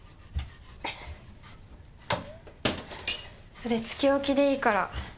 それつけ置きでいいから。